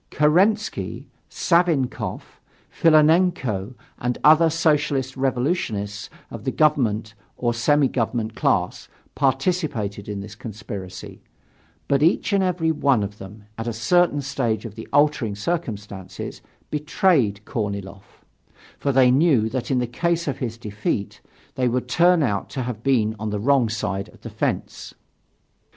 Kerensky, Savinkoff, Filonenko and other Socialist Revolutionists of the government or semi government class participated in this conspiracy, but each and every one of them at a certain stage of the altering circumstances betrayed Korniloff, for they knew that in the case of his defeat, they would turn out to have been on the wrong side of the fence.